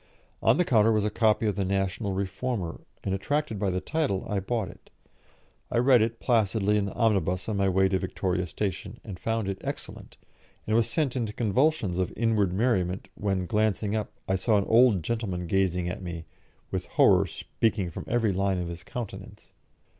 On the counter was a copy of the National Reformer, and, attracted by the title, I bought it. I read it placidly in the omnibus on my way to Victoria Station, and found it excellent, and was sent into convulsions of inward merriment when, glancing up, I saw an old gentleman gazing at me, with horror speaking from every line of his countenance.